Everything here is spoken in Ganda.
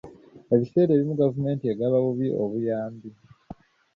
Ebiseera ebimu gavumenti egaba bubi obuyambi.